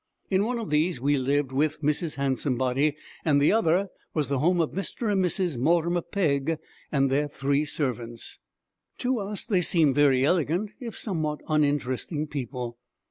In one of these we lived with Mrs. Handsomebody, and the other was the home of Mr. and Mrs. Mortimer Pegg and their three servants. To us they seemed very elegant, if somewhat uninteresting people.